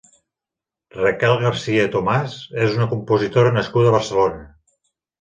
Raquel García-Tomás és una compositora nascuda a Barcelona.